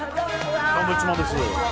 サンドウィッチマンです。